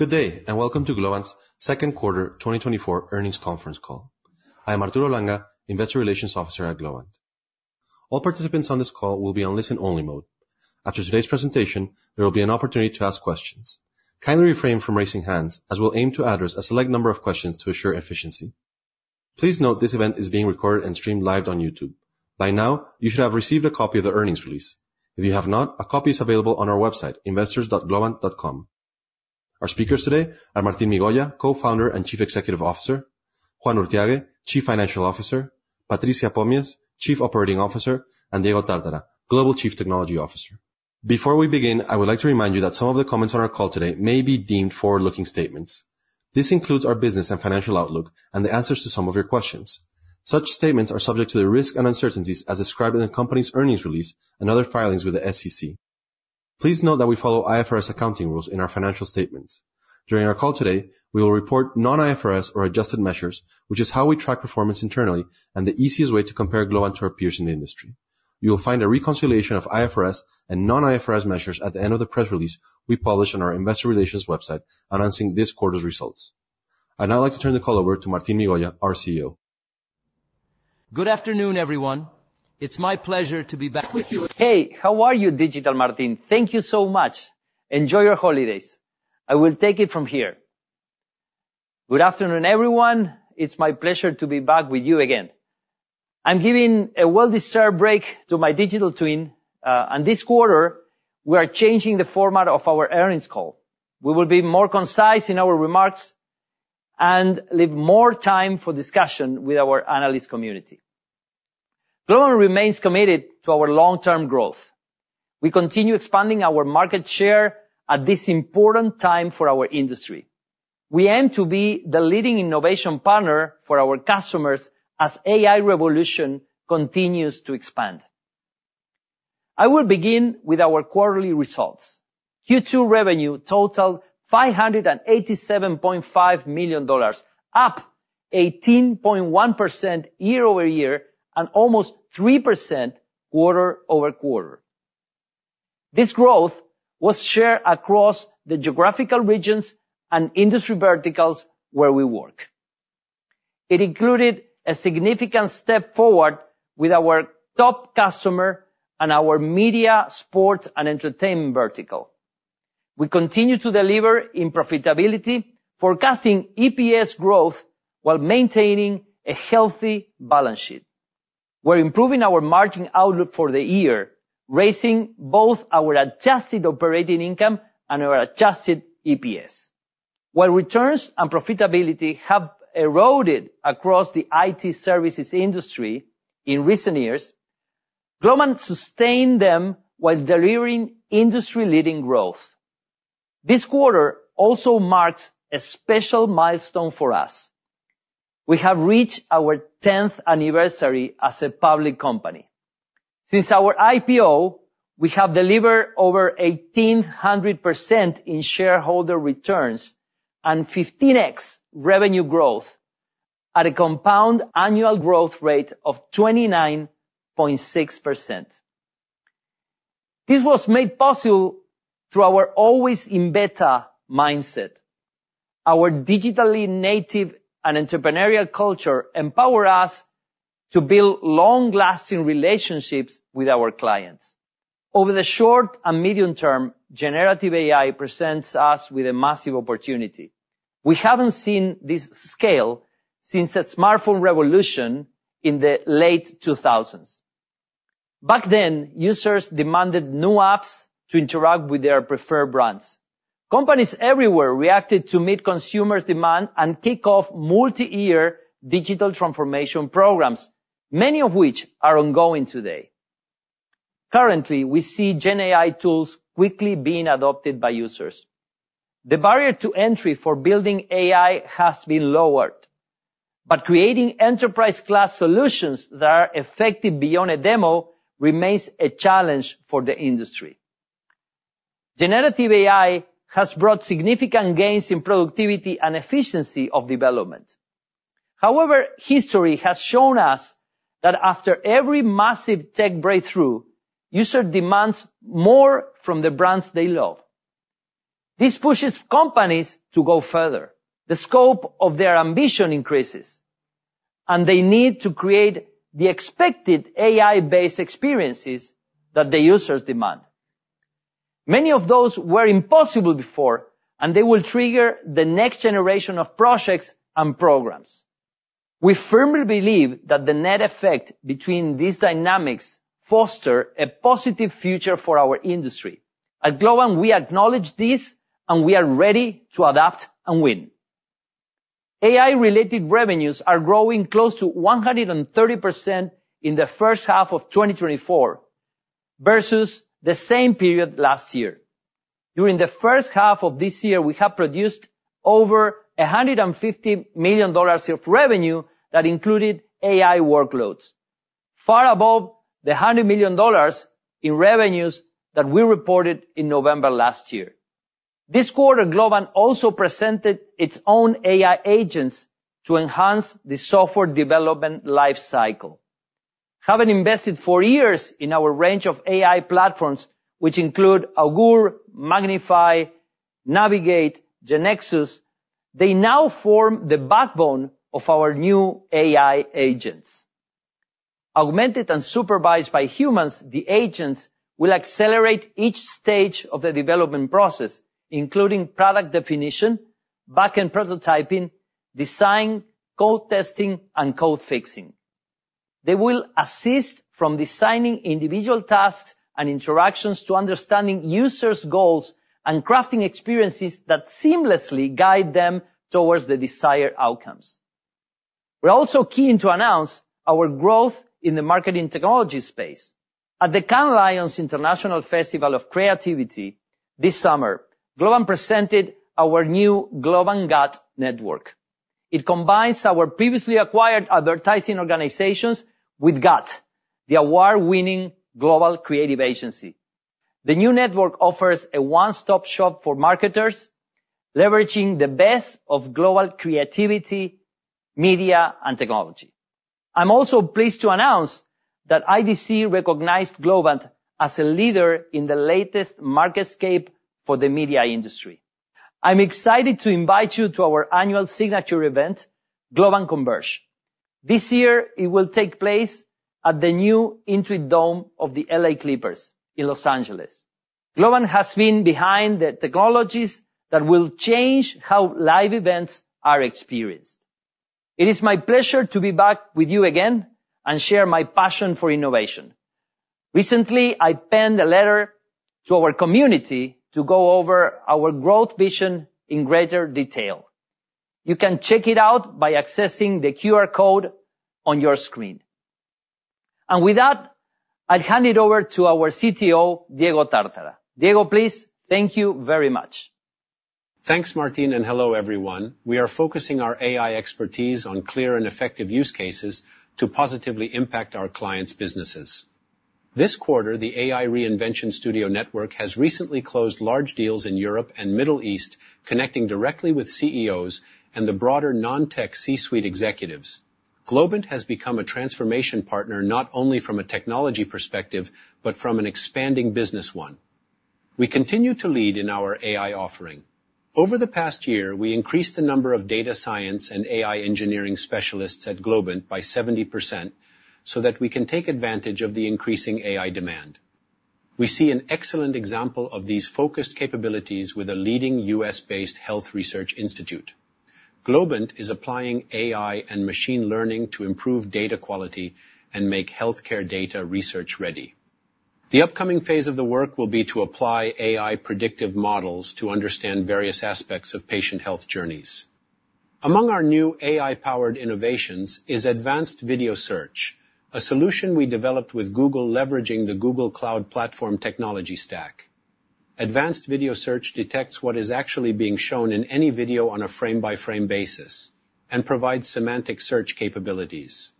Good day, and welcome to Globant's second quarter 2024 earnings conference call. I am Arturo Langa, investor relations officer at Globant. All participants on this call will be on listen-only mode. After today's presentation, there will be an opportunity to ask questions. Kindly refrain from raising hands, as we'll aim to address a select number of questions to assure efficiency. Please note, this event is being recorded and streamed live on YouTube. By now, you should have received a copy of the earnings release. If you have not, a copy is available on our website, investors.globant.com. Our speakers today are Martín Migoya, co-founder and Chief Executive Officer, Juan Urthiague, Chief Financial Officer, Patricia Pomies, Chief Operating Officer, and Diego Tártara, Global Chief Technology Officer. Before we begin, I would like to remind you that some of the comments on our call today may be deemed forward-looking statements. This includes our business and financial outlook and the answers to some of your questions. Such statements are subject to the risks and uncertainties as described in the company's earnings release and other filings with the SEC. Please note that we follow IFRS accounting rules in our financial statements. During our call today, we will report non-IFRS or adjusted measures, which is how we track performance internally and the easiest way to compare Globant to our peers in the industry. You will find a reconciliation of IFRS and non-IFRS measures at the end of the press release we published on our investor relations website announcing this quarter's results. I'd now like to turn the call over to Martín Migoya, our CEO. Good afternoon, everyone. It's my pleasure to be back with you. Hey, how are you, digital Martín? Thank you so much. Enjoy your holidays. I will take it from here. Good afternoon, everyone. It's my pleasure to be back with you again. I'm giving a well-deserved break to my digital twin, and this quarter, we are changing the format of our earnings call. We will be more concise in our remarks and leave more time for discussion with our analyst community. Globant remains committed to our long-term growth. We continue expanding our market share at this important time for our industry. We aim to be the leading innovation partner for our customers as AI revolution continues to expand. I will begin with our quarterly results. Q2 revenue totaled $587.5 million, up 18.1% year-over-year and almost 3% quarter-over-quarter. This growth was shared across the geographical regions and industry verticals where we work. It included a significant step forward with our top customer and our media, sports, and entertainment vertical. We continue to deliver in profitability, forecasting EPS growth while maintaining a healthy balance sheet. We're improving our margin outlook for the year, raising both our adjusted operating income and our adjusted EPS. While returns and profitability have eroded across the IT services industry in recent years, Globant sustained them while delivering industry-leading growth. This quarter also marks a special milestone for us. We have reached our tenth anniversary as a public company. Since our IPO, we have delivered over 1,800% in shareholder returns and 15x revenue growth at a compound annual growth rate of 29.6%. This was made possible through our always in beta mindset. Our digitally native and entrepreneurial culture empower us to build long-lasting relationships with our clients. Over the short and medium term, generative AI presents us with a massive opportunity. We haven't seen this scale since the smartphone revolution in the late 2000s. Back then, users demanded new apps to interact with their preferred brands. Companies everywhere reacted to meet consumer demand and kick off multi-year digital transformation programs, many of which are ongoing today. Currently, we see GenAI tools quickly being adopted by users. The barrier to entry for building AI has been lowered, but creating enterprise-class solutions that are effective beyond a demo remains a challenge for the industry. Generative AI has brought significant gains in productivity and efficiency of development. However, history has shown us that after every massive tech breakthrough, user demands more from the brands they love. This pushes companies to go further. The scope of their ambition increases, and they need to create the expected AI-based experiences that the users demand. Many of those were impossible before, and they will trigger the next generation of projects and programs. We firmly believe that the net effect between these dynamics foster a positive future for our industry. At Globant, we acknowledge this, and we are ready to adapt and win. AI-related revenues are growing close to 130% in the first half of 2024, versus the same period last year. During the first half of this year, we have produced over $150 million of revenue that included AI workloads, far above the $100 million in revenues that we reported in November last year. This quarter, Globant also presented its own AI agents to enhance the software development life cycle. Having invested for years in our range of AI platforms, which include Augoor, MagnifAI, Navigate, GeneXus, they now form the backbone of our new AI agents. Augmented and supervised by humans, the agents will accelerate each stage of the development process, including product definition, back-end prototyping, design, code testing, and code fixing. They will assist from designing individual tasks and interactions to understanding users' goals and crafting experiences that seamlessly guide them towards the desired outcomes. We're also keen to announce our growth in the marketing technology space. At the Cannes Lions International Festival of Creativity this summer, Globant presented our new Globant GUT Network. It combines our previously acquired advertising organizations with GUT, the award-winning global creative agency. The new network offers a one-stop shop for marketers, leveraging the best of global creativity, media, and technology. I'm also pleased to announce that IDC recognized Globant as a leader in the latest MarketScape for the media industry. I'm excited to invite you to our annual signature event, Globant Converge. This year, it will take place at the new Intuit Dome of the L.A. Clippers in Los Angeles. Globant has been behind the technologies that will change how live events are experienced. It is my pleasure to be back with you again and share my passion for innovation. Recently, I penned a letter to our community to go over our growth vision in greater detail. You can check it out by accessing the QR code on your screen. With that, I'll hand it over to our CTO, Diego Tártara. Diego, please. Thank you very much. Thanks, Martín, and hello, everyone. We are focusing our AI expertise on clear and effective use cases to positively impact our clients' businesses. This quarter, the AI Reinvention Studio Network has recently closed large deals in Europe and Middle East, connecting directly with CEOs and the broader non-tech C-suite executives. Globant has become a transformation partner, not only from a technology perspective, but from an expanding business one. We continue to lead in our AI offering. Over the past year, we increased the number of data science and AI engineering specialists at Globant by 70%, so that we can take advantage of the increasing AI demand. We see an excellent example of these focused capabilities with a leading U.S.-based health research institute. Globant is applying AI and machine learning to improve data quality and make healthcare data research-ready. The upcoming phase of the work will be to apply AI predictive models to understand various aspects of patient health journeys. Among our new AI-powered innovations is Advanced Video Search, a solution we developed with Google, leveraging the Google Cloud Platform technology stack. Advanced Video Search detects what is actually being shown in any video on a frame-by-frame basis and provides semantic search capabilities.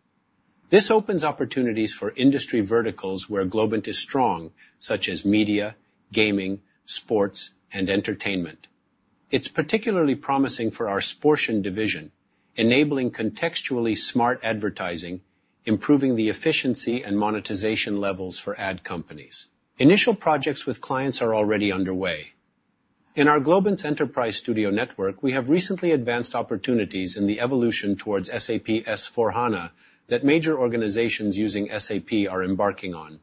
This opens opportunities for industry verticals where Globant is strong, such as media, gaming, sports, and entertainment. It's particularly promising for our Sportian division, enabling contextually smart advertising, improving the efficiency and monetization levels for ad companies. Initial projects with clients are already underway. In our Globant Enterprise Studio network, we have recently advanced opportunities in the evolution towards SAP S/4HANA that major organizations using SAP are embarking on.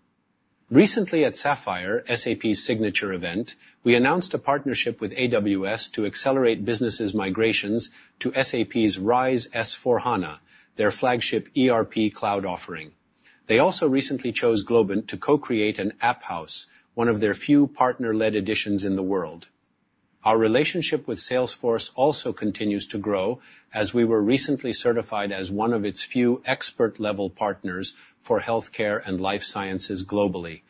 Recently at Sapphire, SAP's signature event, we announced a partnership with AWS to accelerate businesses' migrations to SAP's RISE S/4HANA, their flagship ERP cloud offering. They also recently chose Globant to co-create an AppHaus, one of their few partner-led editions in the world. Our relationship with Salesforce also continues to grow, as we were recently certified as one of its few expert-level partners for healthcare and life sciences globally,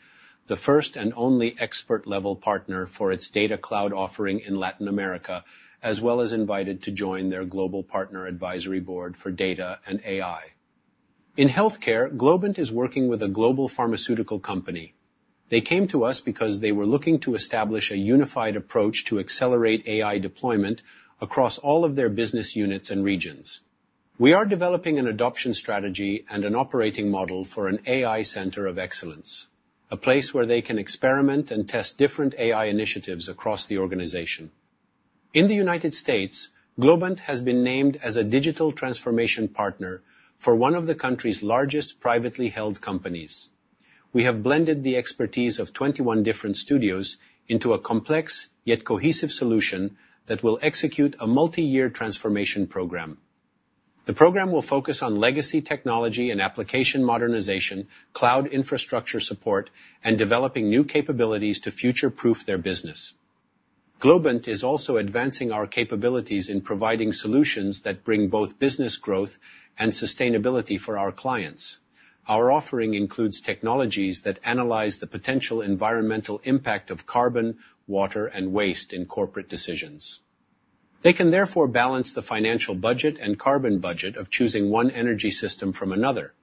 the first and only expert-level partner for its Data Cloud offering in Latin America, as well as invited to join their Global Partner Advisory Board for Data and AI. In healthcare, Globant is working with a global pharmaceutical company. They came to us because they were looking to establish a unified approach to accelerate AI deployment across all of their business units and regions. We are developing an adoption strategy and an operating model for an AI center of excellence, a place where they can experiment and test different AI initiatives across the organization. In the United States, Globant has been named as a digital transformation partner for one of the country's largest privately held companies. We have blended the expertise of 21 different studios into a complex yet cohesive solution that will execute a multi-year transformation program. The program will focus on legacy technology and application modernization, cloud infrastructure support, and developing new capabilities to future-proof their business. Globant is also advancing our capabilities in providing solutions that bring both business growth and sustainability for our clients. Our offering includes technologies that analyze the potential environmental impact of carbon, water, and waste in corporate decisions. They can therefore balance the financial budget and carbon budget of choosing one energy system from another.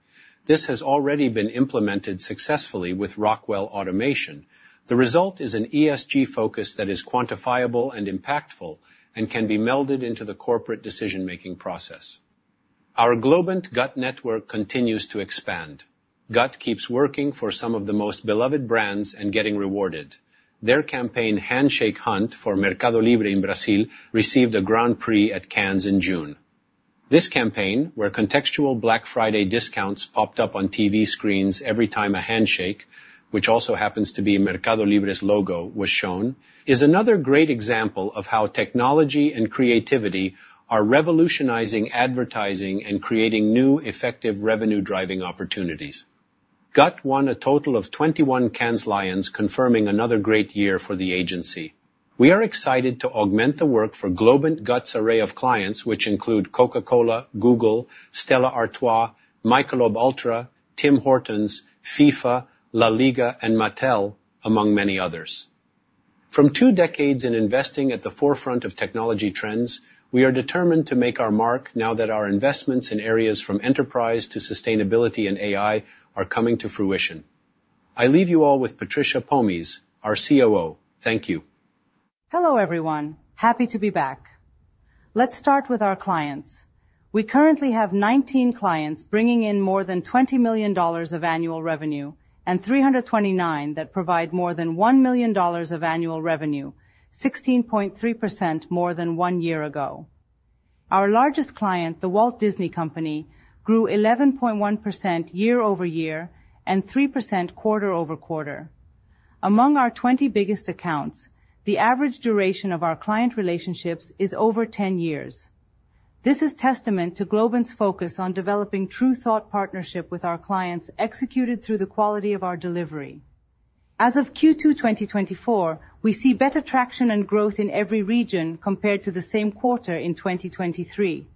This has already been implemented successfully with Rockwell Automation. The result is an ESG focus that is quantifiable and impactful and can be melded into the corporate decision-making process.... Our Globant GUT Network continues to expand. GUT keeps working for some of the most beloved brands and getting rewarded. Their campaign, Handshake Hunt, for Mercado Libre in Brazil, received a Grand Prix at Cannes in June. This campaign, where contextual Black Friday discounts popped up on TV screens every time a handshake, which also happens to be Mercado Libre's logo, was shown, is another great example of how technology and creativity are revolutionizing advertising and creating new, effective revenue-driving opportunities. GUT won a total of 21 Cannes Lions, confirming another great year for the agency. We are excited to augment the work for Globant GUT's array of clients, which include Coca-Cola, Google, Stella Artois, Michelob ULTRA, Tim Hortons, FIFA, LaLiga, and Mattel, among many others. From two decades in investing at the forefront of technology trends, we are determined to make our mark now that our investments in areas from enterprise to sustainability and AI are coming to fruition. I leave you all with Patricia Pomies, our COO. Thank you. Hello, everyone. Happy to be back. Let's start with our clients. We currently have 19 clients bringing in more than $20 million of annual revenue, and 329 that provide more than $1 million of annual revenue, 16.3% more than one year ago. Our largest client, The Walt Disney Company, grew 11.1% year over year and 3% quarter over quarter. Among our 20 biggest accounts, the average duration of our client relationships is over 10 years. This is testament to Globant's focus on developing true thought partnership with our clients, executed through the quality of our delivery. As of Q2 2024, we see better traction and growth in every region compared to the same quarter in 2023.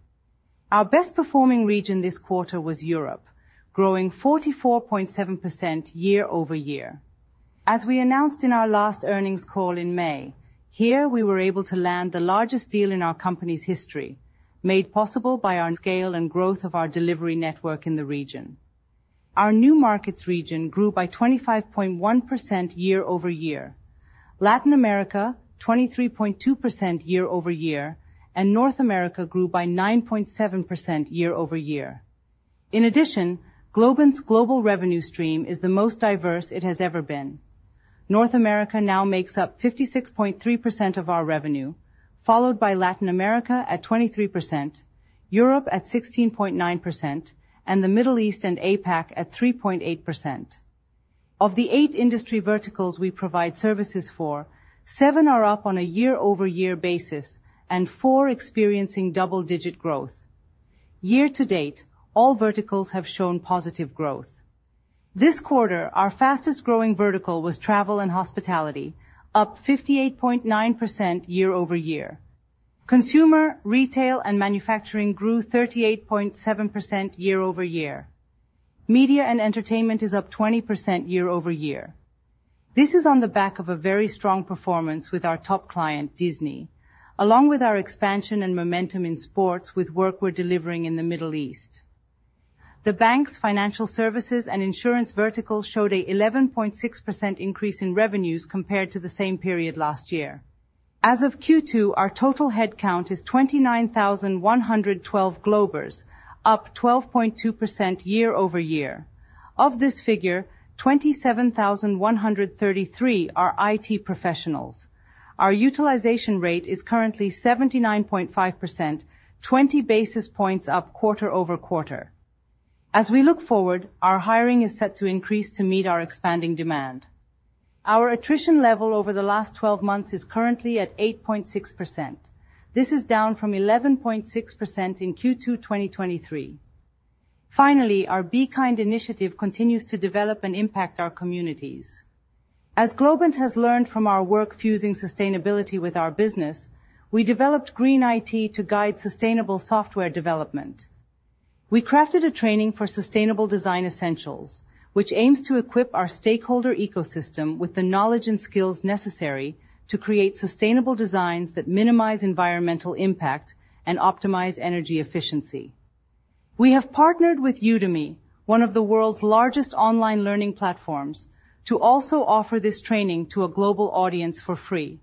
Our best-performing region this quarter was Europe, growing 44.7% year-over-year. As we announced in our last earnings call in May, here, we were able to land the largest deal in our company's history, made possible by our scale and growth of our delivery network in the region. Our new markets region grew by 25.1% year-over-year. Latin America, 23.2% year-over-year. And North America grew by 9.7% year-over-year. In addition, Globant's global revenue stream is the most diverse it has ever been. North America now makes up 56.3% of our revenue, followed by Latin America at 23%, Europe at 16.9%, and the Middle East and APAC at 3.8%. Of the 8 industry verticals we provide services for, 7 are up on a year-over-year basis and 4 experiencing double-digit growth. Year to date, all verticals have shown positive growth. This quarter, our fastest-growing vertical was travel and hospitality, up 58.9% year-over-year. Consumer, retail, and manufacturing grew 38.7% year-over-year. Media and entertainment is up 20% year-over-year. This is on the back of a very strong performance with our top client, Disney, along with our expansion and momentum in sports, with work we're delivering in the Middle East. The banks, financial services, and insurance vertical showed an 11.6% increase in revenues compared to the same period last year. As of Q2, our total headcount is 29,112 Globers, up 12.2% year-over-year. Of this figure, 27,133 are IT professionals. Our utilization rate is currently 79.5%, 20 basis points up quarter-over-quarter. As we look forward, our hiring is set to increase to meet our expanding demand. Our attrition level over the last 12 months is currently at 8.6%. This is down from 11.6% in Q2 2023. Finally, our Be Kind initiative continues to develop and impact our communities. As Globant has learned from our work fusing sustainability with our business, we developed Green IT to guide sustainable software development. We crafted a training for sustainable design essentials, which aims to equip our stakeholder ecosystem with the knowledge and skills necessary to create sustainable designs that minimize environmental impact and optimize energy efficiency. We have partnered with Udemy, one of the world's largest online learning platforms, to also offer this training to a global audience for free.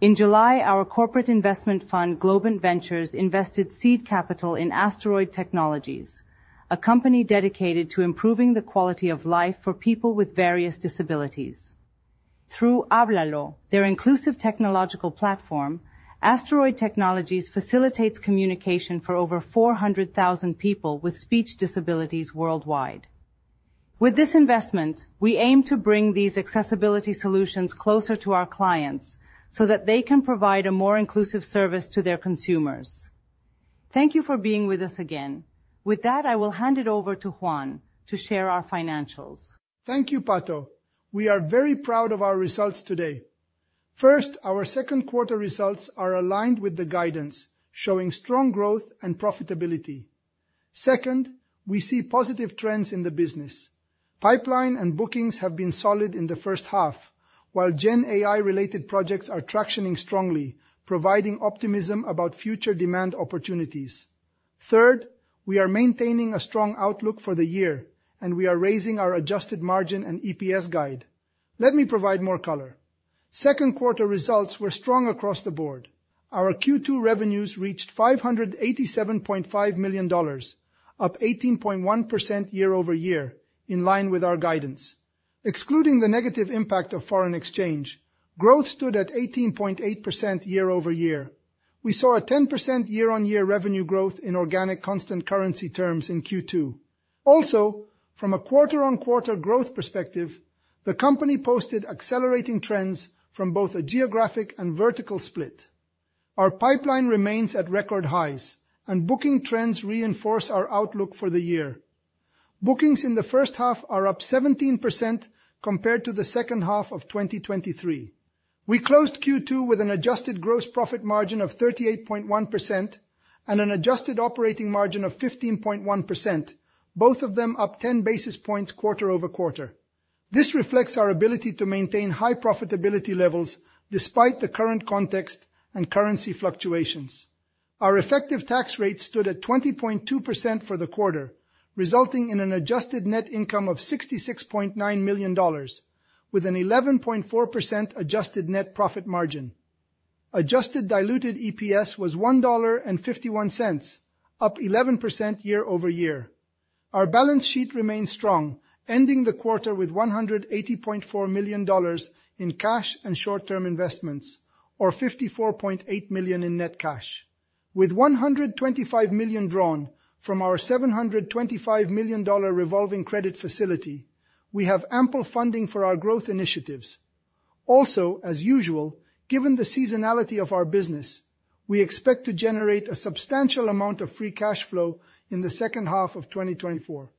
In July, our corporate investment fund, Globant Ventures, invested seed capital in Asteroid Technologies, a company dedicated to improving the quality of life for people with various disabilities. Through Háblalo, their inclusive technological platform, Asteroid Technologies facilitates communication for over 400,000 people with speech disabilities worldwide. With this investment, we aim to bring these accessibility solutions closer to our clients, so that they can provide a more inclusive service to their consumers. Thank you for being with us again. With that, I will hand it over to Juan to share our financials. Thank you, Pato. We are very proud of our results today. First, our second quarter results are aligned with the guidance, showing strong growth and profitability. Second, we see positive trends in the business. Pipeline and bookings have been solid in the first half, while Gen AI-related projects are tractioning strongly, providing optimism about future demand opportunities. Third, we are maintaining a strong outlook for the year, and we are raising our adjusted margin and EPS guide. Let me provide more color.... Second quarter results were strong across the board. Our Q2 revenues reached $587.5 million, up 18.1% year-over-year, in line with our guidance. Excluding the negative impact of foreign exchange, growth stood at 18.8% year-over-year. We saw a 10% year-over-year revenue growth in organic constant currency terms in Q2. Also, from a quarter-over-quarter growth perspective, the company posted accelerating trends from both a geographic and vertical split. Our pipeline remains at record highs, and booking trends reinforce our outlook for the year. Bookings in the first half are up 17% compared to the second half of 2023. We closed Q2 with an adjusted gross profit margin of 38.1% and an adjusted operating margin of 15.1%, both of them up 10 basis points quarter-over-quarter. This reflects our ability to maintain high profitability levels despite the current context and currency fluctuations. Our effective tax rate stood at 20.2% for the quarter, resulting in an adjusted net income of $66.9 million, with an 11.4% adjusted net profit margin. Adjusted diluted EPS was $1.51, up 11% year-over-year. Our balance sheet remains strong, ending the quarter with $180.4 million in cash and short-term investments, or $54.8 million in net cash. With $125 million drawn from our $725 million revolving credit facility, we have ample funding for our growth initiatives. Also, as usual, given the seasonality of our business, we expect to generate a substantial amount of free cash flow in the second half of 2024.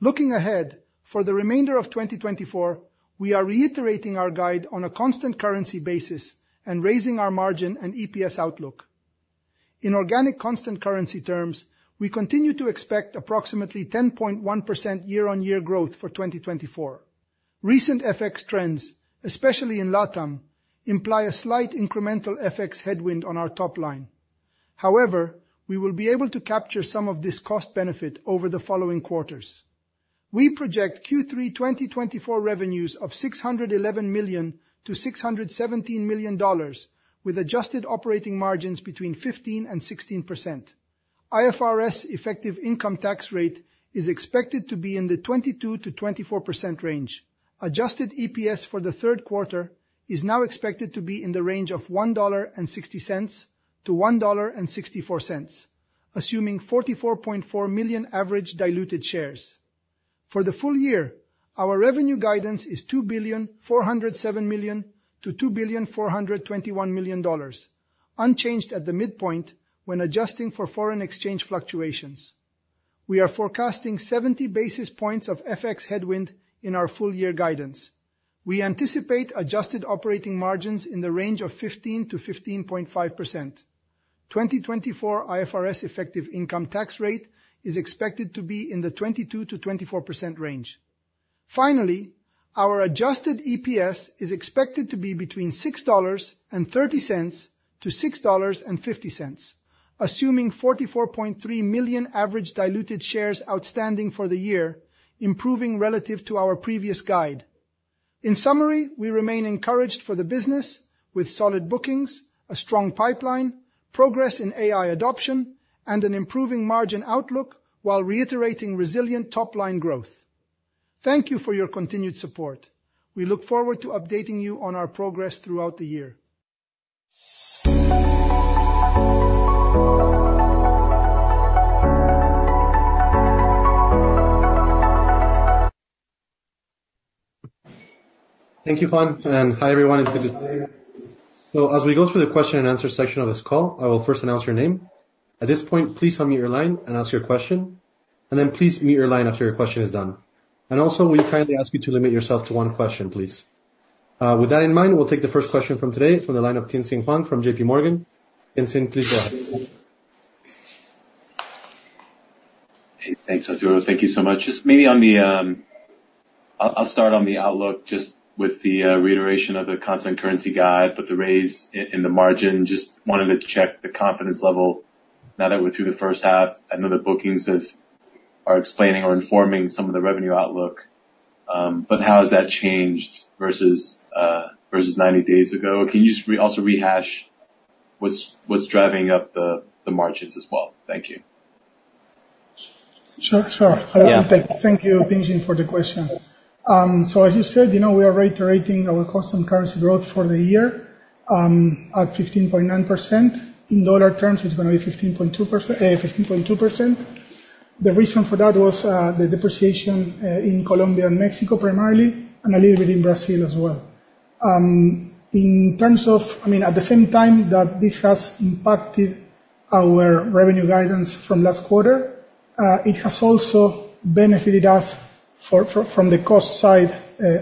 Looking ahead, for the remainder of 2024, we are reiterating our guide on a constant currency basis and raising our margin and EPS outlook. In organic constant currency terms, we continue to expect approximately 10.1% year-on-year growth for 2024. Recent FX trends, especially in LATAM, imply a slight incremental FX headwind on our top line. However, we will be able to capture some of this cost benefit over the following quarters. We project Q3 2024 revenues of $611 million-$617 million, with adjusted operating margins between 15%-16%. IFRS effective income tax rate is expected to be in the 22%-24% range. Adjusted EPS for the third quarter is now expected to be in the range of $1.60-$1.64, assuming 44.4 million average diluted shares. For the full year, our revenue guidance is $2.407 billion-$2.421 billion, unchanged at the midpoint when adjusting for foreign exchange fluctuations. We are forecasting 70 basis points of FX headwind in our full year guidance. We anticipate adjusted operating margins in the range of 15%-15.5%. 2024 IFRS effective income tax rate is expected to be in the 22%-24% range. Finally, our adjusted EPS is expected to be between $6.30-$6.50, assuming 44.3 million average diluted shares outstanding for the year, improving relative to our previous guide. In summary, we remain encouraged for the business with solid bookings, a strong pipeline, progress in AI adoption, and an improving margin outlook while reiterating resilient top-line growth. Thank you for your continued support. We look forward to updating you on our progress throughout the year. Thank you, Juan, and hi, everyone. It's good to see you. So as we go through the question and answer section of this call, I will first announce your name. At this point, please unmute your line and ask your question, and then please mute your line after your question is done. Also, we kindly ask you to limit yourself to one question, please. With that in mind, we'll take the first question from today from the line of Tien-tsin Huang from JP Morgan. Tien-tsin, please go ahead. Hey, thanks, Arturo. Thank you so much. Just maybe on the outlook, just with the reiteration of the constant currency guide, but the raise in the margin. Just wanted to check the confidence level now that we're through the first half. I know the bookings are explaining or informing some of the revenue outlook, but how has that changed versus 90 days ago? Can you just also rehash what's driving up the margins as well? Thank you. Sure, sure. Yeah. Thank you, Tien-tsin, for the question. So as you said, you know, we are reiterating our constant currency growth for the year at 15.9%. In dollar terms, it's gonna be 15.2%, 15.2%. The reason for that was the depreciation in Colombia and Mexico primarily, and a little bit in Brazil as well. In terms of—I mean, at the same time that this has impacted our revenue guidance from last quarter, it has also benefited us for—from the cost side,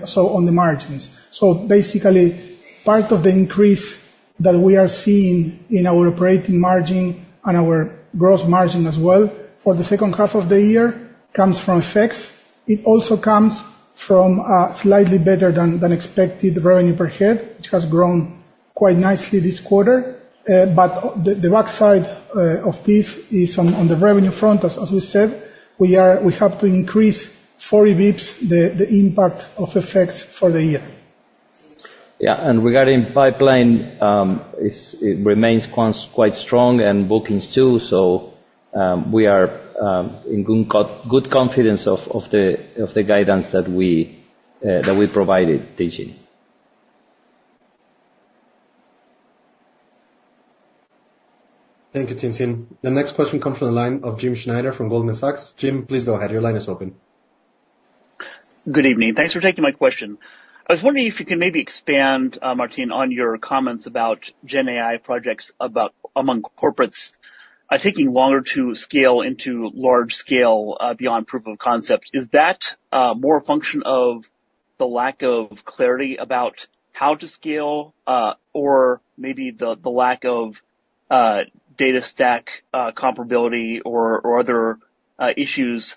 so on the margins. So basically, part of the increase that we are seeing in our operating margin and our gross margin as well for the second half of the year comes from effects. It also comes from a slightly better than expected revenue per head, which has grown-... quite nicely this quarter. But the back end of this is, on the revenue front, as we said, we have to increase 40 bps, the impact of FX effects for the year. Yeah, regarding pipeline, it remains quite strong, and bookings, too. So, we are in good confidence of the guidance that we provided, Tien-tsin. Thank you, Tien-tsin Huang. The next question comes from the line of Jim Schneider from Goldman Sachs. Jim, please go ahead. Your line is open. Good evening. Thanks for taking my question. I was wondering if you could maybe expand, Martín, on your comments about GenAI projects among corporates taking longer to scale into large scale beyond proof of concept. Is that more a function of the lack of clarity about how to scale or maybe the lack of data stack comparability or other issues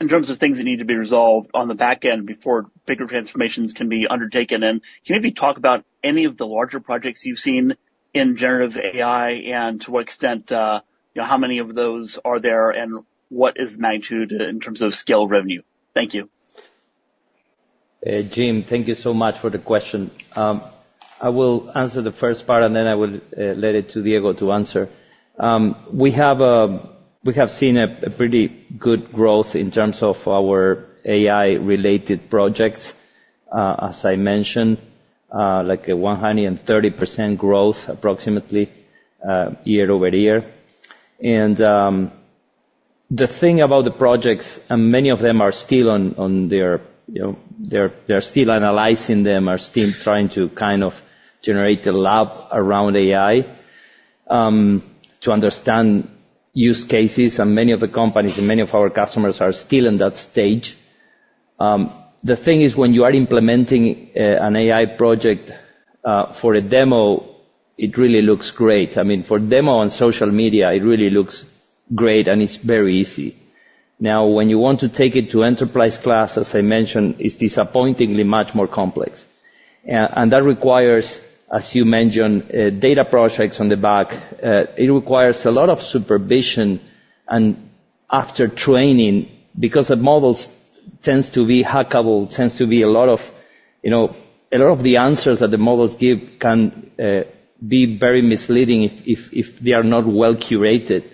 in terms of things that need to be resolved on the back end before bigger transformations can be undertaken? And can you maybe talk about any of the larger projects you've seen in generative AI, and to what extent, you know, how many of those are there, and what is the magnitude in terms of scale revenue? Thank you. Jim, thank you so much for the question. I will answer the first part, and then I will let it to Diego to answer. We have seen a pretty good growth in terms of our AI-related projects. As I mentioned, like a 130% growth, approximately, year-over-year. The thing about the projects, and many of them are still on their, you know, they're still analyzing them, are still trying to kind of generate a lab around AI, to understand use cases, and many of the companies, and many of our customers are still in that stage. The thing is, when you are implementing an AI project for a demo, it really looks great. I mean, for demo on social media, it really looks great, and it's very easy. Now, when you want to take it to enterprise class, as I mentioned, it's disappointingly much more complex. And that requires, as you mentioned, backend projects. It requires a lot of supervision and after training, because the models tends to be hackable, tends to be a lot of... You know, a lot of the answers that the models give can be very misleading if they are not well-curated.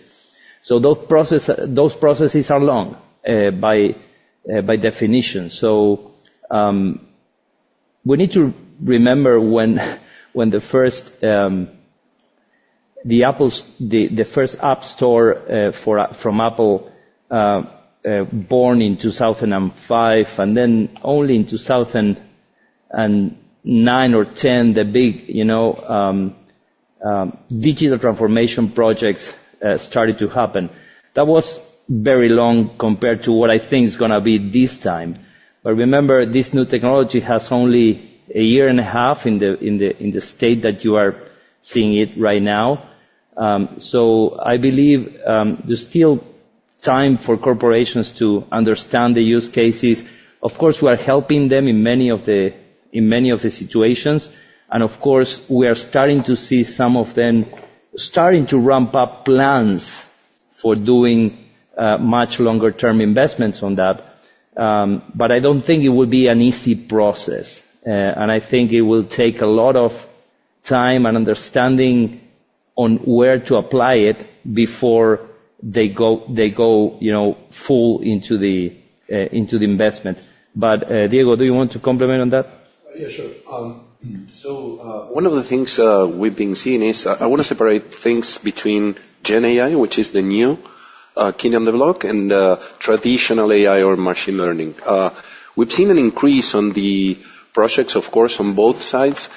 So those process, those processes are long, by definition. So, we need to remember when the first App Store from Apple born in 2005, and then only in 2009 or 10, the big, you know, digital transformation projects started to happen. That was very long compared to what I think is gonna be this time. But remember, this new technology has only a year and a half in the state that you are seeing it right now. So I believe there's still time for corporations to understand the use cases. Of course, we are helping them in many of the situations, and of course, we are starting to see some of them starting to ramp up plans for doing much longer-term investments on that. But I don't think it would be an easy process, and I think it will take a lot of time and understanding on where to apply it before they go, you know, full into the investment. But, Diego, do you want to comment on that? Yeah, sure. So, one of the things we've been seeing is, I wanna separate things between GenAI, which is the new kid on the block, and traditional AI or machine learning. We've seen an increase on the projects, of course, on both sides.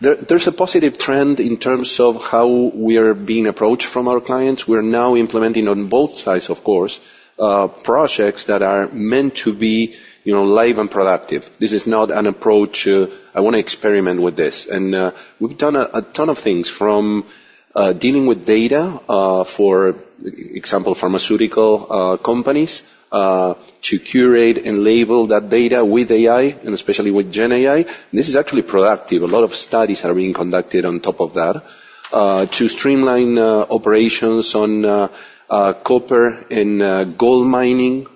There's a positive trend in terms of how we are being approached from our clients. We're now implementing on both sides, of course, projects that are meant to be, you know, live and productive. This is not an approach, I wanna experiment with this. And, we've done a ton of things, from dealing with data, for example, pharmaceutical companies, to curate and label that data with AI, and especially with GenAI. This is actually productive. A lot of studies are being conducted on top of that to streamline operations on copper and gold mining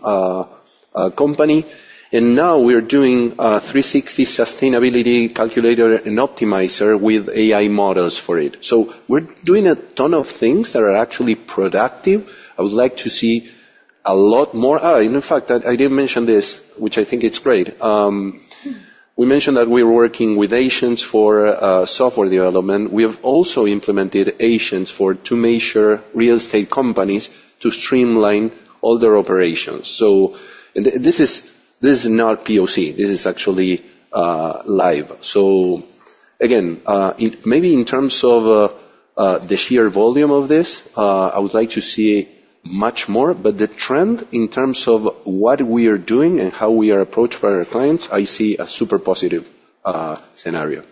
company. And now we are doing a 360 sustainability calculator and optimizer with AI models for it. So we're doing a ton of things that are actually productive. I would like to see a lot more. In fact, I didn't mention this, which I think it's great. We mentioned that we're working with Augoor for software development. We have also implemented Augoor for two major real estate companies to streamline all their operations. So this is, this is not POC. This is actually live. So again, maybe in terms of the sheer volume of this, I would like to see much more, but the trend in terms of what we are doing and how we are approached by our clients, I see a super positive scenario....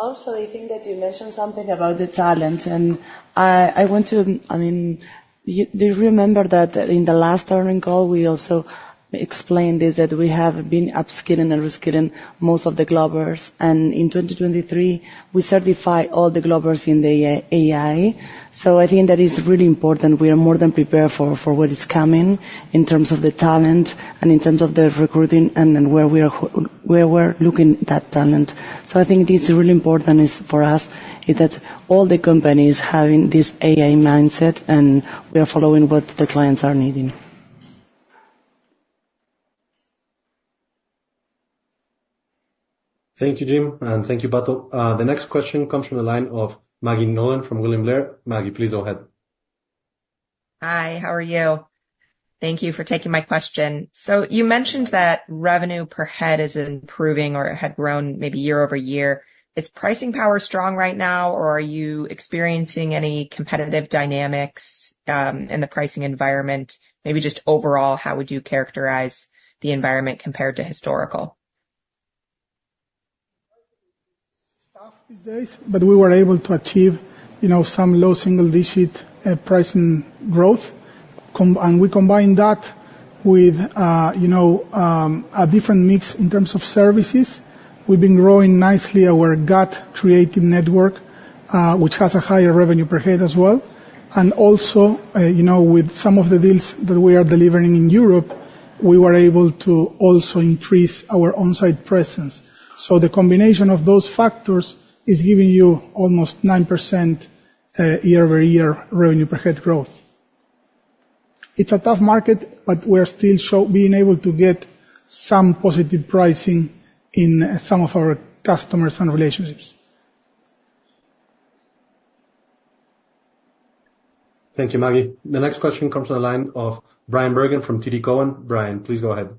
Also, I think that you mentioned something about the talent, and I want to, I mean, do you remember that in the last earnings call, we also explained this, that we have been upskilling and reskilling most of the Globers. And in 2023, we certify all the Globers in the AI. So I think that is really important. We are more than prepared for what is coming in terms of the talent and in terms of the recruiting and then where we are, where we're looking that talent. So I think it is really important is for us, is that all the companies having this AI mindset, and we are following what the clients are needing. Thank you, Jim, and thank you, Pato. The next question comes from the line of Maggie Nolan from William Blair. Maggie, please go ahead. Hi, how are you? Thank you for taking my question. So you mentioned that revenue per head is improving or had grown maybe year over year. Is pricing power strong right now, or are you experiencing any competitive dynamics, in the pricing environment? Maybe just overall, how would you characterize the environment compared to historical? Tough these days, but we were able to achieve, you know, some low single-digit pricing growth. And we combine that with, you know, a different mix in terms of services. We've been growing nicely our GUT creative network, which has a higher revenue per head as well. And also, you know, with some of the deals that we are delivering in Europe, we were able to also increase our on-site presence. So the combination of those factors is giving you almost 9% year-over-year revenue per head growth. It's a tough market, but we're still being able to get some positive pricing in some of our customers and relationships. Thank you, Maggie. The next question comes from the line of Bryan Bergin from TD Cowen. Brian, please go ahead.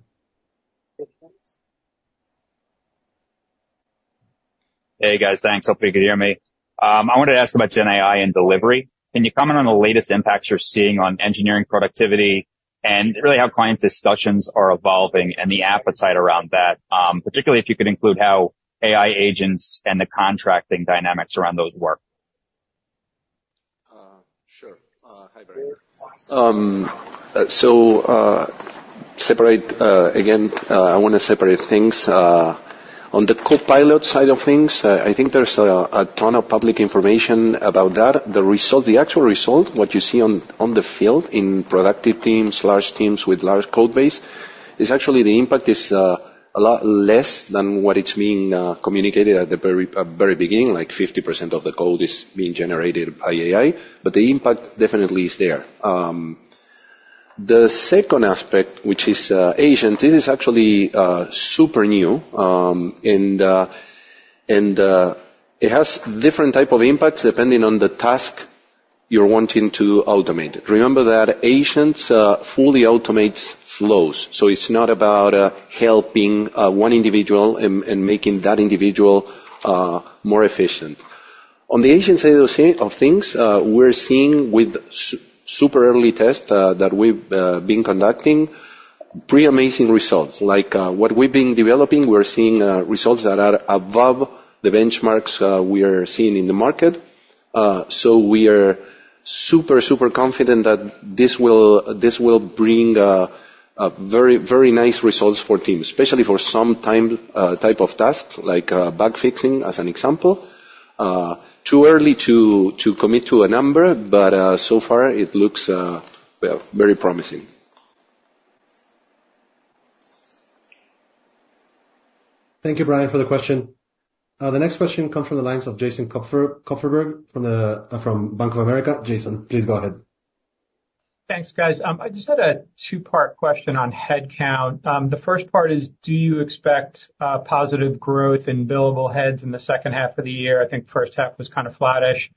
Hey, guys. Thanks. Hope you can hear me. I wanted to ask about GenAI and delivery. Can you comment on the latest impacts you're seeing on engineering productivity, and really how client discussions are evolving and the appetite around that, particularly if you could include how AI agents and the contracting dynamics around those work? Sure. Hi, Bryan. So, separate, again, I wanna separate things on the copilot side of things, I think there's a ton of public information about that. The result, the actual result, what you see on the field in productive teams, large teams with large code base, is actually the impact is a lot less than what it's been communicated at the very beginning, like 50% of the code is being generated by AI, but the impact definitely is there. The second aspect, which is agent, this is actually super new, and it has different type of impacts depending on the task you're wanting to automate. Remember that agents fully automates flows, so it's not about helping one individual and making that individual more efficient. On the agent side of things, we're seeing with super early tests that we've been conducting, pretty amazing results. Like, what we've been developing, we're seeing results that are above the benchmarks we are seeing in the market. So we are super, super confident that this will, this will bring a very, very nice results for teams, especially for some time type of tasks, like bug fixing, as an example. Too early to commit to a number, but so far it looks well very promising. Thank you, Bryan, for the question. The next question comes from the lines of Jason Kupferberg from Bank of America. Jason, please go ahead. Thanks, guys. I just had a two-part question on headcount. The first part is: Do you expect positive growth in billable heads in the second half of the year? I think first half was kind of flattish.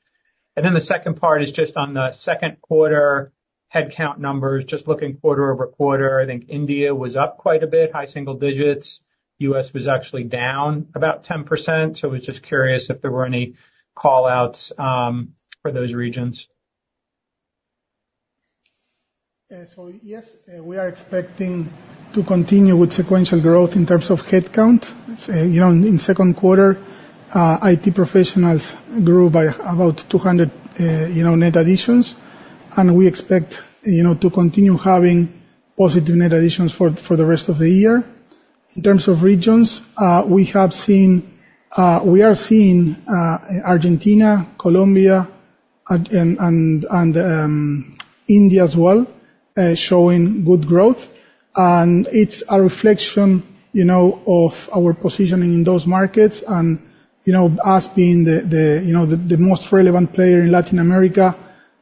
And then the second part is just on the second quarter headcount numbers, just looking quarter-over-quarter. I think India was up quite a bit, high single digits. US was actually down about 10%, so I was just curious if there were any call-outs for those regions. So yes, we are expecting to continue with sequential growth in terms of headcount. You know, in second quarter, IT professionals grew by about 200, you know, net additions, and we expect, you know, to continue having positive net additions for the rest of the year. In terms of regions, we have seen, we are seeing, Argentina, Colombia, and India as well, showing good growth. And it's a reflection, you know, of our positioning in those markets and, you know, us being the, the, you know, the, the most relevant player in Latin America,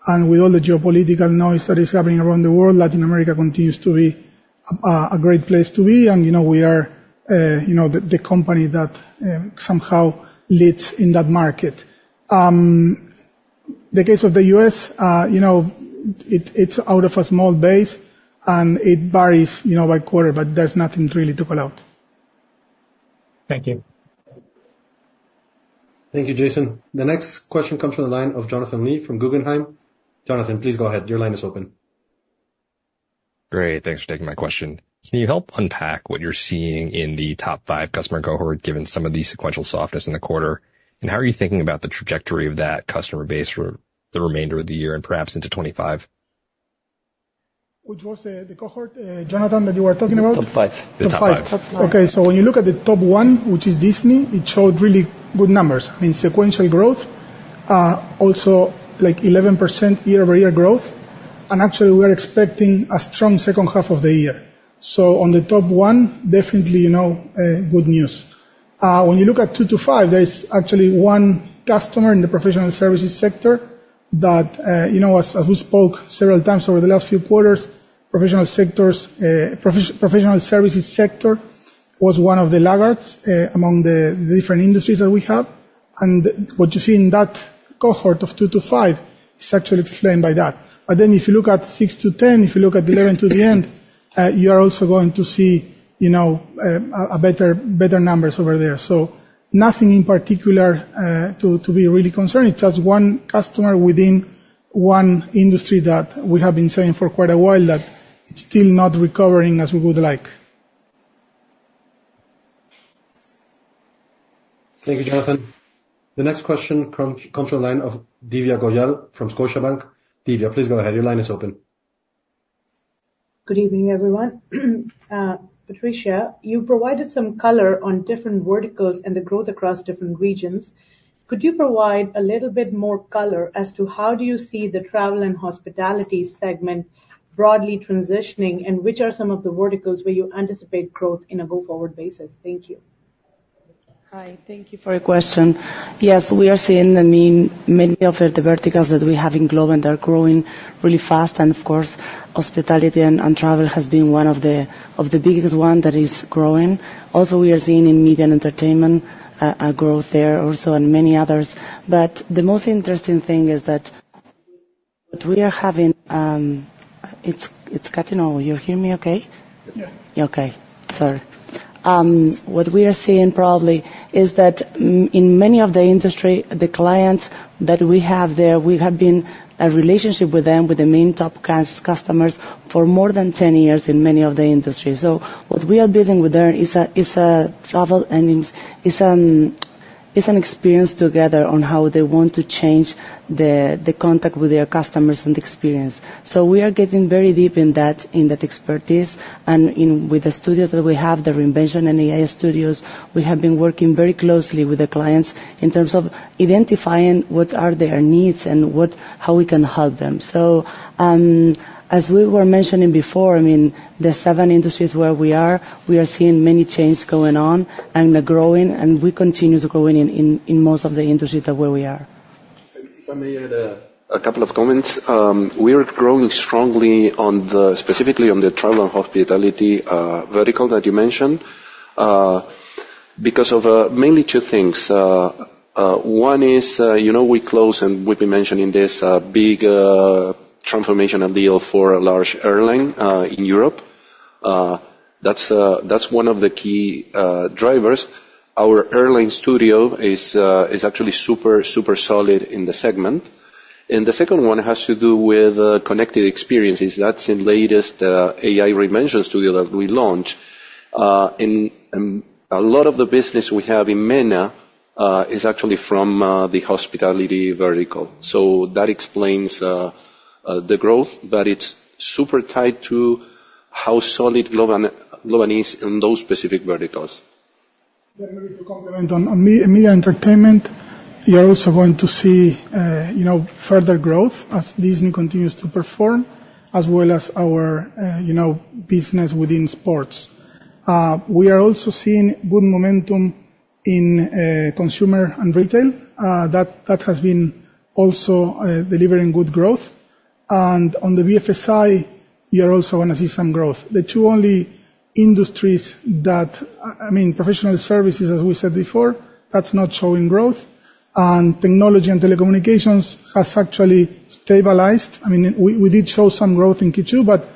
and with all the geopolitical noise that is happening around the world, Latin America continues to be a great place to be. And, you know, we are, you know, the, the company that somehow leads in that market. The case of the U.S., you know, it, it's out of a small base, and it varies, you know, by quarter, but there's nothing really to call out. Thank you. Thank you, Jason. The next question comes from the line of Jonathan Lee from Guggenheim. Jonathan, please go ahead. Your line is open.... Great, thanks for taking my question. Can you help unpack what you're seeing in the top five customer cohort, given some of the sequential softness in the quarter? And how are you thinking about the trajectory of that customer base for the remainder of the year and perhaps into 25? Which was the cohort, Jonathan, that you were talking about? Top 5. The top five. Top 5. Okay, so when you look at the top 1, which is Disney, it showed really good numbers. I mean, sequential growth, also like 11% year-over-year growth. And actually, we're expecting a strong second half of the year. So on the top 1, definitely, you know, good news. When you look at 2 to 5, there's actually one customer in the professional services sector that, you know, as we spoke several times over the last few quarters, professional services sector was one of the laggards among the different industries that we have. And what you see in that cohort of 2 to 5 is actually explained by that. But then if you look at 6-10, if you look at 11 to the end, you are also going to see, you know, a better numbers over there. So nothing in particular to be really concerned. It's just one customer within one industry that we have been saying for quite a while that it's still not recovering as we would like. Thank you, Jonathan. The next question comes from the line of Divya Goyal from Scotiabank. Divya, please go ahead. Your line is open. Good evening, everyone. Patricia, you provided some color on different verticals and the growth across different regions. Could you provide a little bit more color as to how do you see the travel and hospitality segment broadly transitioning? And which are some of the verticals where you anticipate growth in a go-forward basis? Thank you. Hi, thank you for your question. Yes, we are seeing, I mean, many of the, the verticals that we have in Globant are growing really fast, and of course, hospitality and, and travel has been one of the, of the biggest one that is growing. Also, we are seeing in media and entertainment a growth there also and many others. But the most interesting thing is that what we are having... It's cutting off. You hear me okay? Yeah. Okay, sorry. What we are seeing probably is that in many of the industry, the clients that we have there, we have been a relationship with them, with the main top customers, for more than 10 years in many of the industries. So what we are building with them is a travel and it's an experience together on how they want to change the contact with their customers and experience. So we are getting very deep in that expertise and with the studios that we have, the reinvention and AI studios, we have been working very closely with the clients in terms of identifying what are their needs and how we can help them. So, as we were mentioning before, I mean, the seven industries where we are, we are seeing many changes going on and they're growing, and we continue to grow in most of the industries where we are. If I may add, a couple of comments. We are growing strongly on the, specifically on the travel and hospitality vertical that you mentioned, because of mainly two things. One is, you know, we closed, and we've been mentioning this, a big transformation and deal for a large airline in Europe. That's one of the key drivers. Our Airlines Studio is actually super, super solid in the segment. And the second one has to do with Connected Experiences. That's the latest AI Reinvention Studio that we launched. And a lot of the business we have in MENA is actually from the hospitality vertical. So that explains the growth, but it's super tied to how solid Globant is in those specific verticals. Then to comment on media and entertainment, you're also going to see, you know, further growth as Disney continues to perform, as well as our, you know, business within sports. We are also seeing good momentum in consumer and retail, that has been also delivering good growth. And on the BFSI, you're also gonna see some growth. The two only industries that... I mean, professional services, as we said before, that's not showing growth, and technology and telecommunications has actually stabilized. I mean, we did show some growth in Q2, but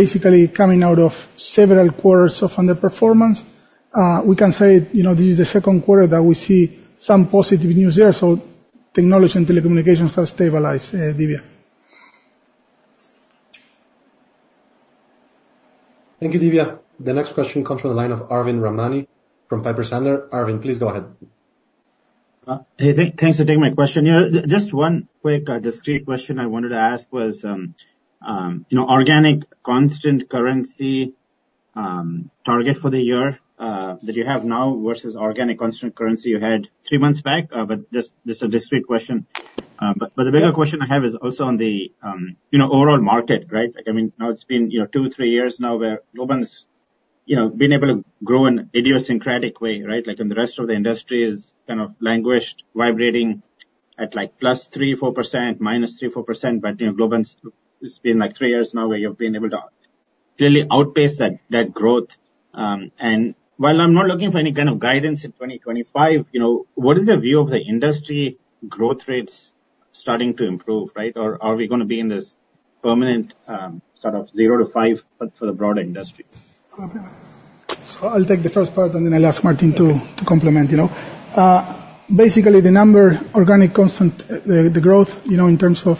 basically coming out of several quarters of underperformance, we can say, you know, this is the second quarter that we see some positive news there. So technology and telecommunications have stabilized, Divya. Thank you, Divya. The next question comes from the line of Arvind Ramani from Piper Sandler. Arvind, please go ahead. Hey, thanks for taking my question. You know, just one quick, discrete question I wanted to ask was, you know, organic constant currency target for the year that you have now versus organic constant currency you had three months back? But just a discrete question. But the bigger question I have is also on the, you know, overall market, right? Like, I mean, now it's been, you know, two, three years now where Globant's, you know, been able to grow in idiosyncratic way, right? Like, in the rest of the industry is kind of languished, vibrating at, like, +3%-4%, -3%-4%. But, you know, Globant's, it's been, like, three years now where you've been able to clearly outpace that, that growth. While I'm not looking for any kind of guidance in 2025, you know, what is the view of the industry growth rates starting to improve, right? Or are we gonna be in this permanent, sort of 0-5, but for the broader industry? So I'll take the first part, and then I'll ask Martín to complement, you know. Basically, the number, organic constant, the growth, you know, in terms of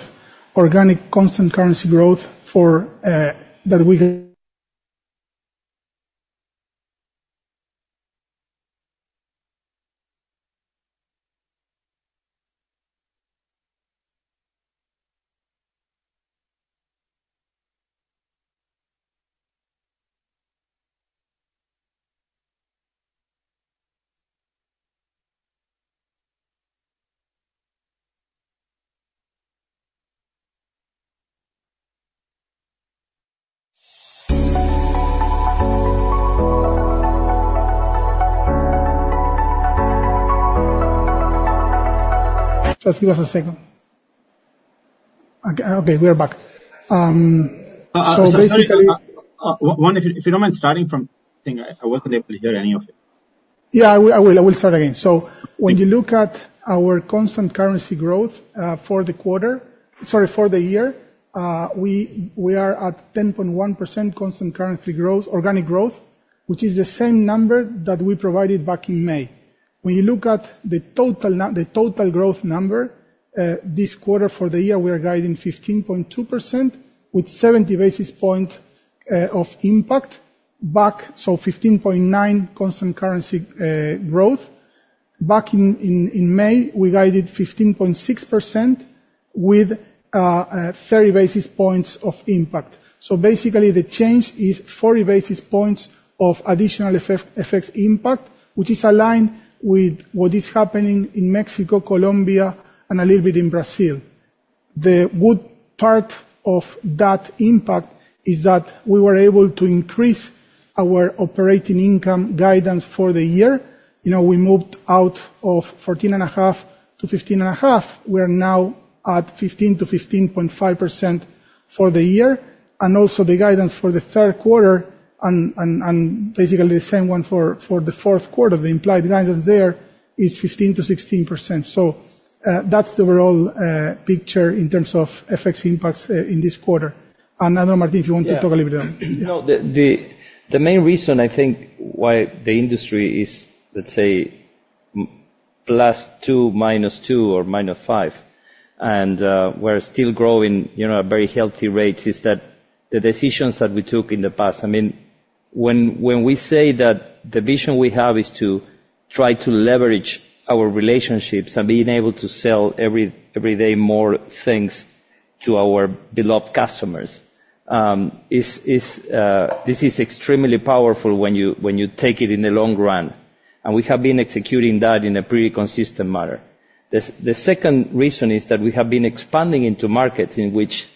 organic constant currency growth for, that we get. Just give us a second. Okay, we are back. So basically- One, if you don't mind starting from beginning, I wasn't able to hear any of it. Yeah, I will start again. So when you look at our constant currency growth, for the quarter, sorry, for the year, we are at 10.1% constant currency growth, organic growth, which is the same number that we provided back in May. When you look at the total growth number, this quarter for the year, we are guiding 15.2% with 70 basis points of FX impact. So 15.9 constant currency growth. Back in May, we guided 15.6% with 30 basis points of FX impact. So basically, the change is 40 basis points of additional FX impact, which is aligned with what is happening in Mexico, Colombia, and a little bit in Brazil. The good part of that impact is that we were able to increase our operating income guidance for the year. You know, we moved out of 14.5%-15.5%. We are now at 15%-15.5% for the year, and also the guidance for the third quarter and basically the same one for the fourth quarter, the implied guidance there is 15%-16%. So, that's the overall picture in terms of effects impacts in this quarter. And I don't know, Martín, if you want to talk a little bit on it. No, the main reason I think why the industry is, let's say, +2, -2 or -5, and we're still growing, you know, at very healthy rates, is that the decisions that we took in the past. I mean, when we say that the vision we have is to try to leverage our relationships and being able to sell every day more things to our beloved customers, is this is extremely powerful when you take it in the long run. And we have been executing that in a pretty consistent manner. The second reason is that we have been expanding into markets in which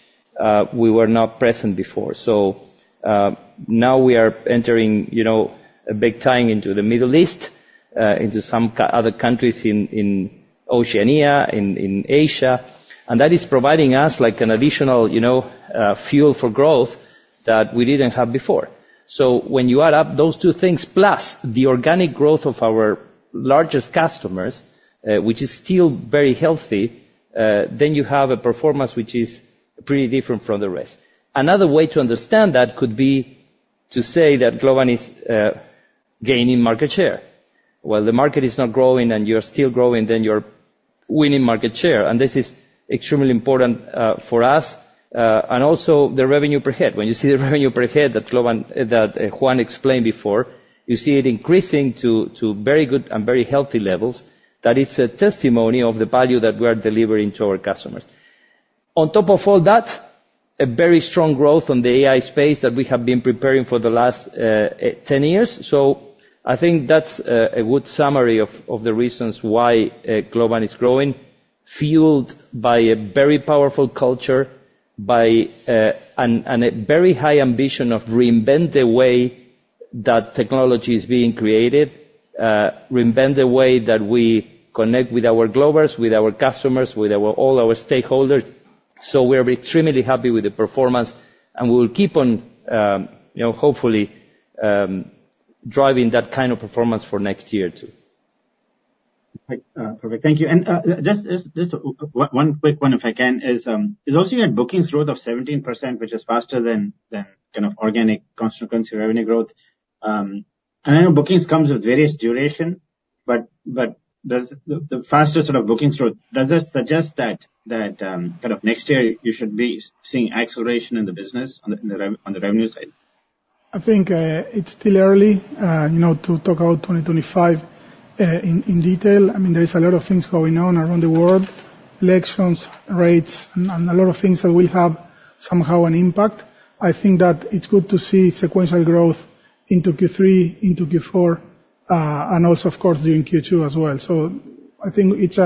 we were not present before. So, now we are entering, you know, a big time into the Middle East, into some other countries in Oceania, in Asia, and that is providing us, like, an additional, you know, fuel for growth that we didn't have before. So when you add up those two things, plus the organic growth of our largest customers, which is still very healthy, then you have a performance which is pretty different from the rest. Another way to understand that could be to say that Globant is gaining market share. While the market is not growing and you're still growing, then you're winning market share, and this is extremely important for us. And also, the revenue per head. When you see the revenue per head that Juan explained before, you see it increasing to very good and very healthy levels. That is a testimony of the value that we are delivering to our customers. On top of all that, a very strong growth on the AI space that we have been preparing for the last 10 years. So I think that's a good summary of the reasons why Globant is growing, fueled by a very powerful culture, by a very high ambition of reinvent the way that technology is being created, reinvent the way that we connect with our Globers, with our customers, with all our stakeholders. So we're extremely happy with the performance, and we will keep on, you know, hopefully, driving that kind of performance for next year, too. Great, perfect. Thank you. And just one quick one, if I can. Also, you had bookings growth of 17%, which is faster than kind of organic constant currency revenue growth. And I know bookings comes with various durations, but does the faster sort of bookings growth suggest that kind of next year you should be seeing acceleration in the business on the rev- on the revenue side? I think, it's still early, you know, to talk about 2025, in detail. I mean, there is a lot of things going on around the world, elections, rates, and a lot of things that will have somehow an impact. I think that it's good to see sequential growth into Q3, into Q4, and also, of course, during Q2 as well. So I think it's,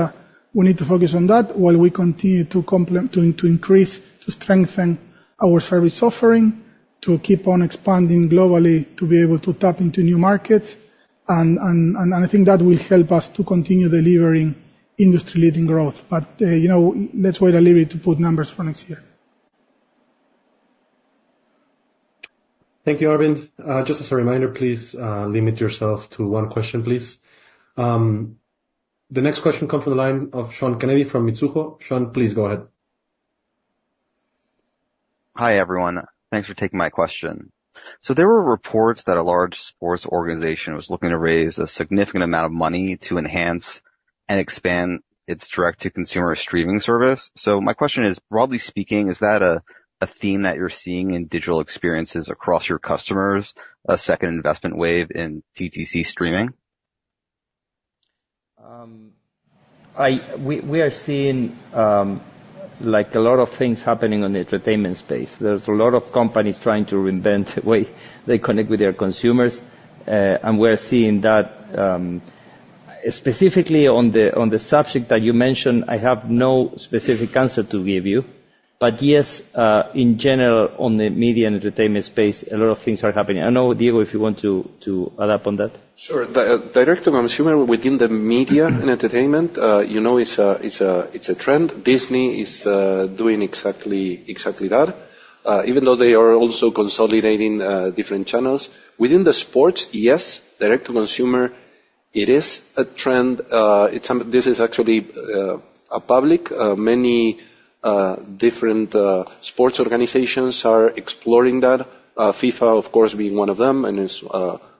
we need to focus on that while we continue to increase, to strengthen our service offering, to keep on expanding globally, to be able to tap into new markets. And I think that will help us to continue delivering industry-leading growth. But, you know, let's wait a little bit to put numbers for next year. Thank you, Arvind. Just as a reminder, please, limit yourself to one question, please. The next question come from the line of Sean Kennedy from Mizuho. Sean, please go ahead.... Hi, everyone. Thanks for taking my question. There were reports that a large sports organization was looking to raise a significant amount of money to enhance and expand its direct-to-consumer streaming service. My question is, broadly speaking, is that a theme that you're seeing in digital experiences across your customers, a second investment wave in DTC streaming? We are seeing like a lot of things happening on the entertainment space. There's a lot of companies trying to reinvent the way they connect with their consumers, and we're seeing that. Specifically, on the subject that you mentioned, I have no specific answer to give you. But yes, in general, on the media and entertainment space, a lot of things are happening. I know, Diego, if you want to add up on that. Sure. The direct-to-consumer within the media and entertainment, you know, is a, it's a, it's a trend. Disney is doing exactly, exactly that, even though they are also consolidating different channels. Within the sports, yes, direct-to-consumer, it is a trend. This is actually a public. Many different sports organizations are exploring that, FIFA, of course, being one of them, and is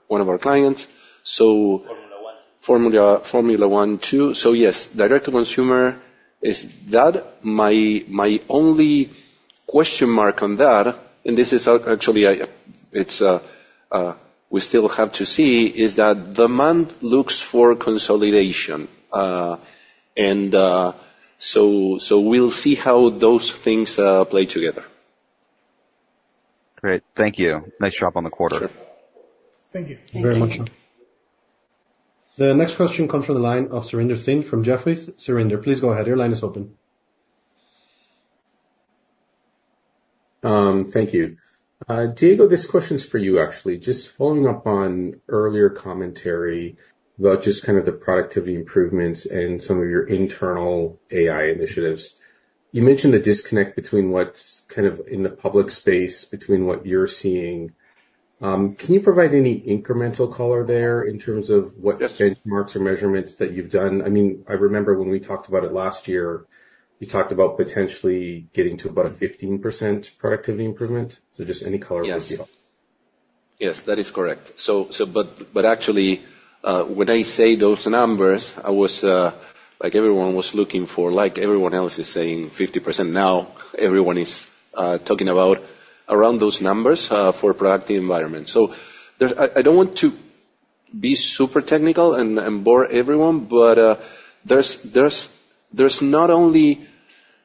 one of our clients. So- Formula One. Formula, Formula One, too. So yes, direct-to-consumer, is that my only question mark on that, and this is actually, it's we still have to see, is that demand looks for consolidation. And so we'll see how those things play together. Great. Thank you. Nice job on the quarter. Sure. Thank you. Thank you very much. The next question comes from the line of Surinder Thind from Jefferies. Surinder, please go ahead. Your line is open. Thank you. Diego, this question is for you, actually. Just following up on earlier commentary about just kind of the productivity improvements and some of your internal AI initiatives. You mentioned the disconnect between what's kind of in the public space, between what you're seeing. Can you provide any incremental color there in terms of what- Yes benchmarks or measurements that you've done? I mean, I remember when we talked about it last year, you talked about potentially getting to about a 15% productivity improvement. So just any color would be helpful. Yes. Yes, that is correct. So but actually, when I say those numbers, I was, like everyone, was looking for, like everyone else, is saying 50%. Now, everyone is talking about around those numbers for productive environment. So there's—I don't want to be super technical and bore everyone, but, there's not only...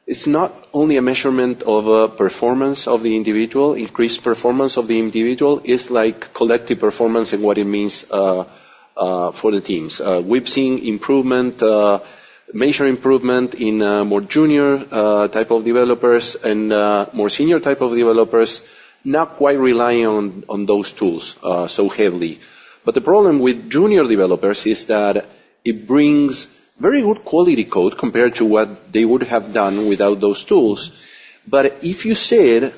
It's not only a measurement of performance of the individual, increased performance of the individual, it's like collective performance and what it means for the teams. We've seen improvement, major improvement in more junior type of developers and more senior type of developers, not quite relying on those tools so heavily. But the problem with junior developers is that it brings very good quality code compared to what they would have done without those tools. But if you said,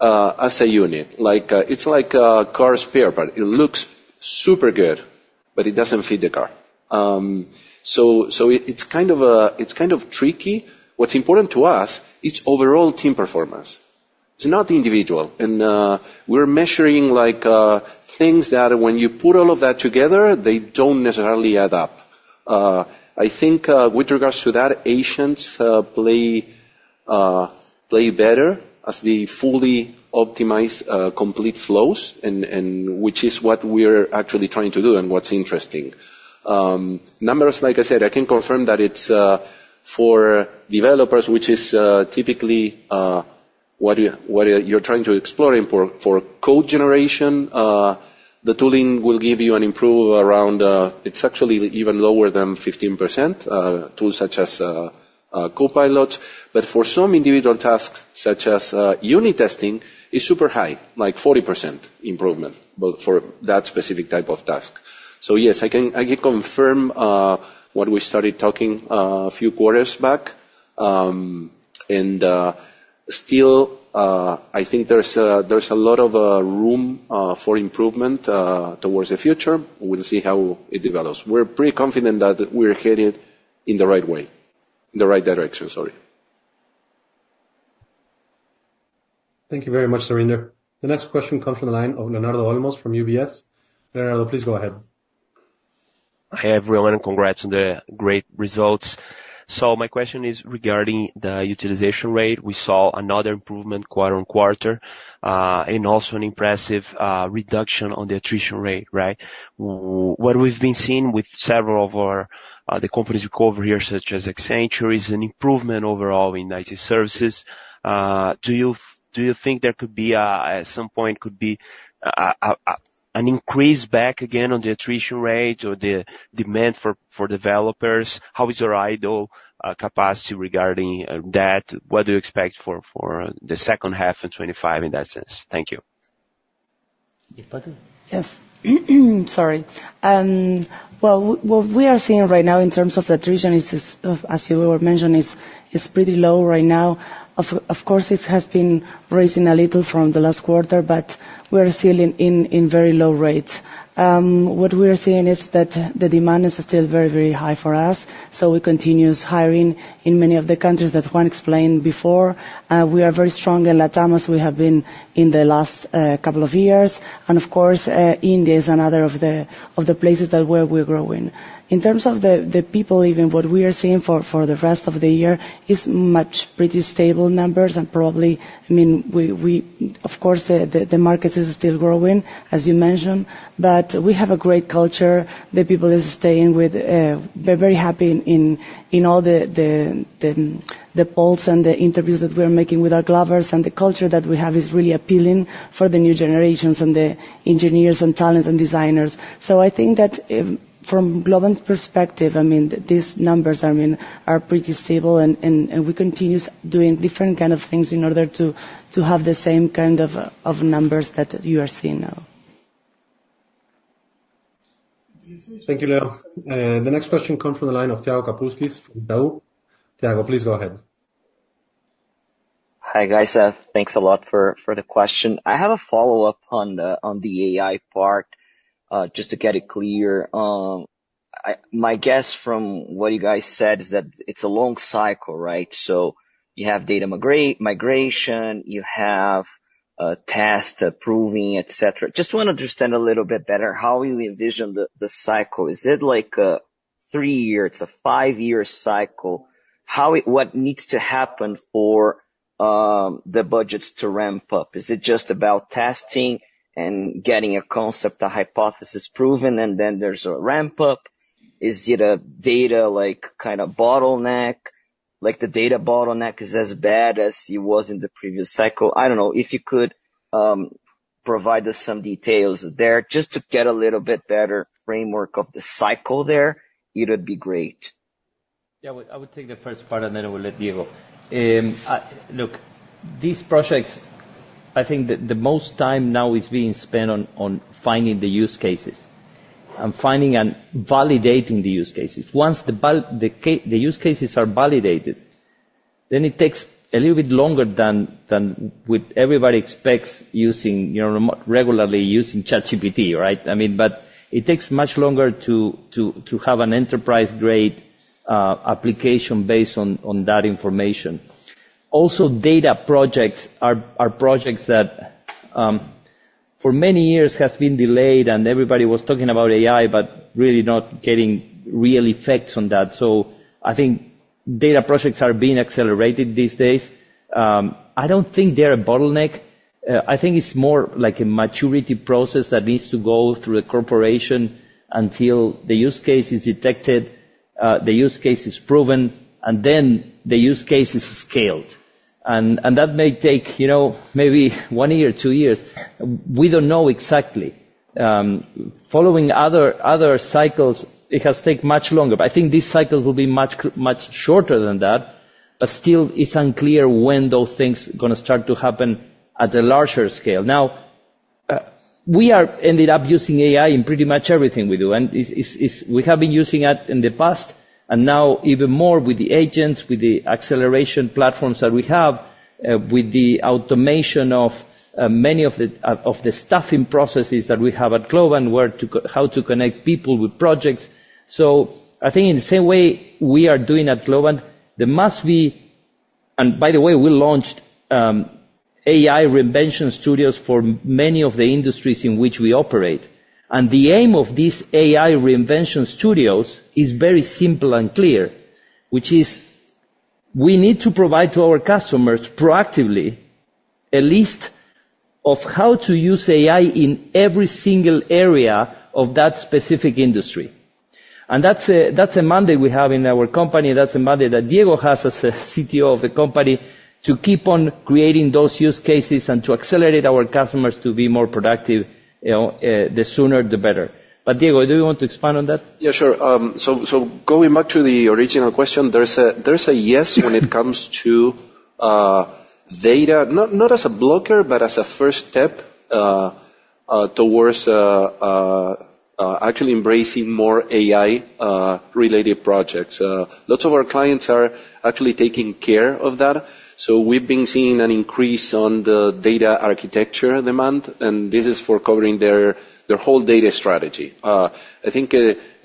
as a unit, like, it's like a car spare, but it looks super good, but it doesn't fit the car. So it's kind of a, it's kind of tricky. What's important to us, it's overall team performance. It's not individual. And we're measuring, like, things that when you put all of that together, they don't necessarily add up. I think, with regards to that, agents play better as they fully optimize complete flows and which is what we're actually trying to do and what's interesting. Numbers, like I said, I can confirm that it's for developers, which is typically what you, what you're trying to explore. For code generation, the tooling will give you an improvement around; it's actually even lower than 15%, tools such as Copilot. But for some individual tasks, such as unit testing, it's super high, like 40% improvement, but for that specific type of task. So yes, I can confirm what we started talking a few quarters back. And still, I think there's a lot of room for improvement towards the future. We'll see how it develops. We're pretty confident that we're headed in the right way, in the right direction, sorry. Thank you very much, Surinder. The next question comes from the line of Leonardo Olmos from UBS. Leonardo, please go ahead. Hi, everyone, and congrats on the great results. So my question is regarding the utilization rate. We saw another improvement quarter on quarter, and also an impressive reduction on the attrition rate, right? What we've been seeing with several of our, the companies we cover here, such as Accenture, is an improvement overall in IT services. Do you think there could be a, at some point, an increase back again on the attrition rate or the demand for developers? How is your ideal capacity regarding that? What do you expect for the second half of 2025 in that sense? Thank you.... Yes. Sorry. Well, what we are seeing right now in terms of attrition is just, as you were mentioning, is pretty low right now. Of course, it has been raising a little from the last quarter, but we're still in very low rates. What we are seeing is that the demand is still very, very high for us, so we continues hiring in many of the countries that Juan explained before. We are very strong in LATAM, as we have been in the last couple of years. And of course, India is another of the places that where we're growing. In terms of the people, even what we are seeing for the rest of the year, is much pretty stable numbers, and probably, I mean, we-- of course, the market is still growing, as you mentioned. But we have a great culture. The people is staying with... They're very happy in all the polls and the interviews that we're making with our Globers, and the culture that we have is really appealing for the new generations and the engineers and talent and designers. So I think that, from Globant's perspective, I mean, these numbers, I mean, are pretty stable, and we continue doing different kind of things in order to have the same kind of numbers that you are seeing now. Thank you, Leo. The next question comes from the line of Thiago Kapulskis from Itaú BBA. Thiago, please go ahead. Hi, guys. Thanks a lot for the question. I have a follow-up on the AI part, just to get it clear. My guess from what you guys said is that it's a long cycle, right? So you have data migration, you have test approving, et cetera. Just wanna understand a little bit better how you envision the cycle. Is it like a three year, it's a five-year cycle? What needs to happen for the budgets to ramp up? Is it just about testing and getting a concept, a hypothesis proven, and then there's a ramp-up? Is it a data, like, kind of bottleneck? Like, the data bottleneck is as bad as it was in the previous cycle. I don't know. If you could, provide us some details there, just to get a little bit better framework of the cycle there, it would be great. Yeah, I will take the first part, and then I will let Diego. Look, these projects, I think that the most time now is being spent on finding the use cases, and finding and validating the use cases. Once the use cases are validated, then it takes a little bit longer than what everybody expects using, you know, regularly using ChatGPT, right? I mean, but it takes much longer to have an enterprise-grade application based on that information. Also, data projects are projects that for many years has been delayed, and everybody was talking about AI, but really not getting real effects on that. So I think data projects are being accelerated these days. I don't think they're a bottleneck. I think it's more like a maturity process that needs to go through a corporation until the use case is detected, the use case is proven, and then the use case is scaled. And that may take, you know, maybe one year, two years. We don't know exactly. Following other cycles, it has take much longer. But I think these cycles will be much shorter than that, but still, it's unclear when those things gonna start to happen at a larger scale. Now, we are ended up using AI in pretty much everything we do, and it's... We have been using it in the past, and now even more with the agents, with the acceleration platforms that we have, with the automation of many of the staffing processes that we have at Globant, where how to connect people with projects. So I think in the same way we are doing at Globant, there must be... And by the way, we launched AI Reinvention Studios for many of the industries in which we operate. And the aim of these AI Reinvention Studios is very simple and clear, which is, we need to provide to our customers proactively a list of how to use AI in every single area of that specific industry. That's a mandate we have in our company, that's a mandate that Diego has as a CTO of the company, to keep on creating those use cases and to accelerate our customers to be more productive, you know, the sooner, the better. But Diego, do you want to expand on that? Yeah, sure. So, going back to the original question, there's a yes when it comes to data, not as a blocker, but as a first step towards actually embracing more AI related projects. Lots of our clients are actually taking care of that, so we've been seeing an increase on the data architecture demand, and this is for covering their whole data strategy. I think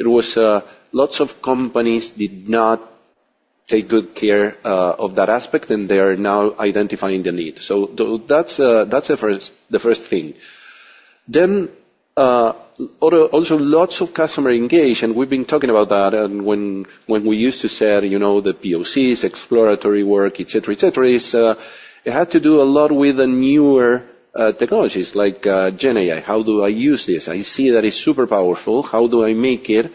lots of companies did not take good care of that aspect, and they are now identifying the need. So that's the first thing. Then, also lots of customer engagement, and we've been talking about that. And when we used to say, you know, the POCs, exploratory work, et cetera, et cetera, is, it had to do a lot with the newer technologies like GenAI. How do I use this? I see that it's super powerful. How do I make it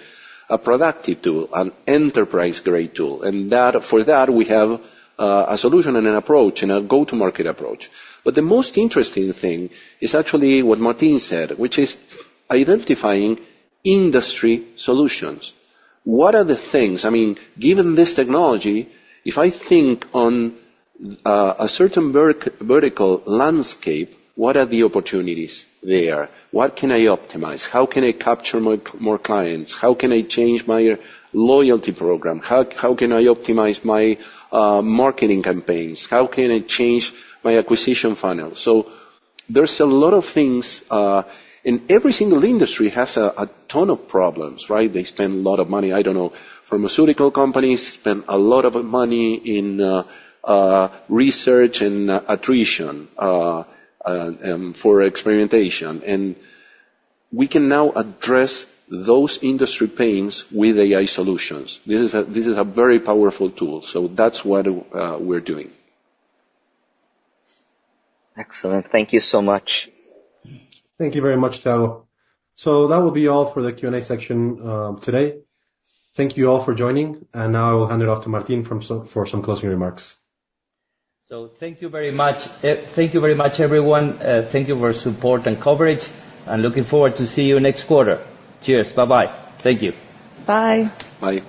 a productive tool, an enterprise-grade tool? And that, for that, we have a solution and an approach, and a go-to-market approach. But the most interesting thing is actually what Martín said, which is identifying industry solutions. What are the things - I mean, given this technology, if I think on a certain vertical landscape, what are the opportunities there? What can I optimize? How can I capture more clients? How can I change my loyalty program? How can I optimize my marketing campaigns? How can I change my acquisition funnel? So there's a lot of things, and every single industry has a ton of problems, right? They spend a lot of money. I don't know, pharmaceutical companies spend a lot of money in research and attrition for experimentation. And we can now address those industry pains with AI solutions. This is a very powerful tool. So that's what we're doing. Excellent. Thank you so much. Thank you very much, Thiago. So that will be all for the Q&A section, today. Thank you all for joining, and now I will hand it off to Martín for some closing remarks. So thank you very much. Thank you very much, everyone. Thank you for your support and coverage, and looking forward to see you next quarter. Cheers! Bye-bye. Thank you. Bye. Bye.